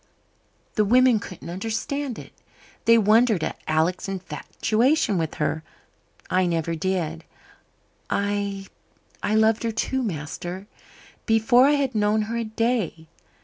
The women couldn't understand it. They wondered at Alec's infatuation for her. I never did. I I loved her, too, master, before I had known her a day.